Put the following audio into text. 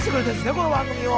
この番組を。